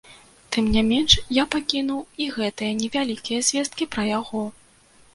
Тым не менш, я пакінуў і гэтыя невялікія звесткі пра яго.